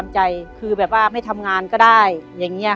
ได้รูปภาษาการแกรียม